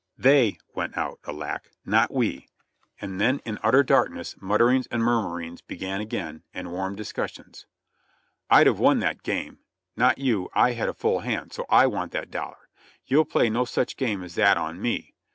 They went out, Alack! not we, and then in 26 JOHNNY REB AND BII^LY YANK utter darkness mutterings and murmurings began again, and warm discussions. "I'd have won that game !" "Not you, I had a full hand, so I want that dollar." "You'll play no such game as that on me!"